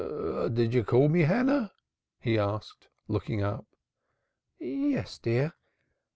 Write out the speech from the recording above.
"Did you call me, Hannah?" he asked, looking up. "Yes, dear.